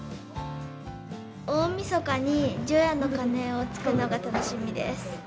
大みそかに除夜の鐘をつくのが楽しみです。